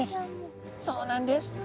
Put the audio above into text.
そうなんです。